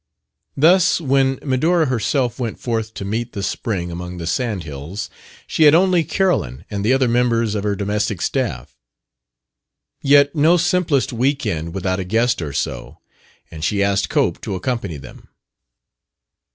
Thus, when Medora herself went forth to meet the spring among the sand hills, she had only Carolyn and the other members of her domestic staff. Yet no simplest week end without a guest or so, and she asked Cope to accompany them.